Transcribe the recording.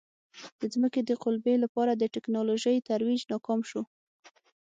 د ځمکې د قُلبې لپاره د ټکنالوژۍ ترویج ناکام شو.